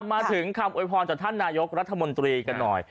มาถึงคำโวยพรจากท่านนายกรัฐมนตรีกันหน่อย